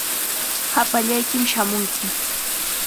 Hapallaykim shamunki.